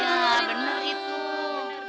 ya benar itu